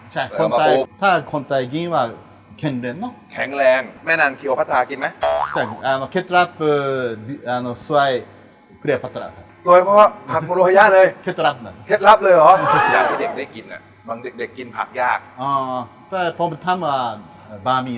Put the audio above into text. ใช่คนไทยถ้าคนไทยกินว่าแข็งแรงเนอะแข็งแรงแม่นั่งเกลียวพัตตากินไหมใช่